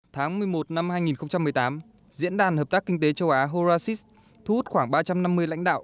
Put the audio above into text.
tháng một mươi một năm hai nghìn một mươi tám diễn đàn hợp tác kinh tế châu á horacis thu hút khoảng ba trăm năm mươi lãnh đạo